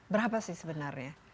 berapa sih sebenarnya